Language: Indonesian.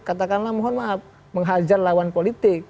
katakanlah mohon maaf menghajar lawan politik